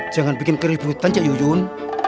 jangan bikin keributan cak yuyun